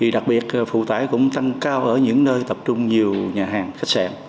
đặc biệt phụ tải cũng tăng cao ở những nơi tập trung nhiều nhà hàng khách sạn